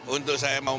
untuk saya memotivasi